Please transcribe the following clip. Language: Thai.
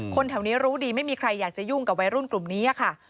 แถวนี้รู้ดีไม่มีใครอยากจะยุ่งกับวัยรุ่นกลุ่มนี้ค่ะ